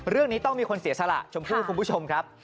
เรื่องนี้ต้องมีคนเสียสละชมพู่คุณผู้ชมครับ